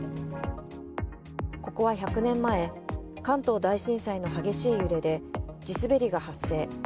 ここは１００年前、関東大震災の激しい揺れで地滑りが発生。